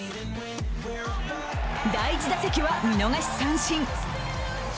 第１打席は見逃し三振。